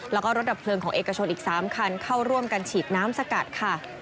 แล้วก็รถดับเพลิงของเอกชนอีก๓คันเข้าร่วมกันฉีดน้ำสกัดค่ะ